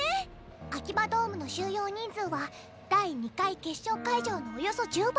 アキバドームの収容人数は第２回決勝会場のおよそ１０倍。